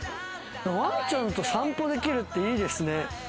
ワンちゃんと散歩できるって、いいですね。